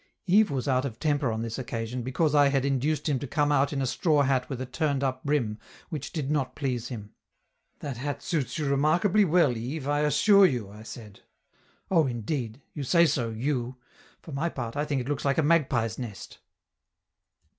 Yves was out of temper on this occasion, because I had induced him to come out in a straw hat with a turned up brim, which did not please him. "That hat suits you remarkably well, Yves, I assure you," I said. "Oh, indeed! You say so, you. For my part, I think it looks like a magpie's nest!"